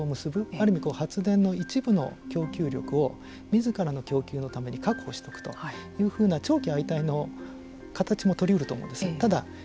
ある意味発電の一部の供給力をみずからの供給のために確保しておくというふうな長期相対の形も取りえると思うんです。